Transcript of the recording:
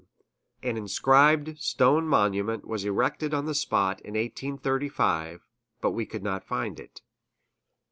An inscribed stone monument was erected on the spot in 1835, but we could not find it.